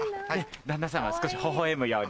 旦那さんは少しほほ笑むように。